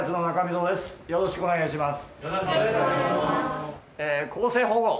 よろしくお願いします。